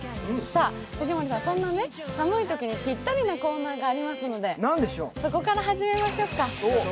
そんな寒いときにぴったりなコーナーがありますのでそこから始めましょうか。